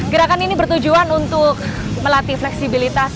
gerakan ini bertujuan untuk melatih fleksibilitas